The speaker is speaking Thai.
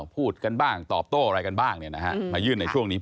ไปเชื่อมกัน